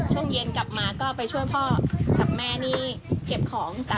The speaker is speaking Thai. ช่วงเย็นกลับมาก็ไปช่วยพ่อกับแม่นี่เก็บของ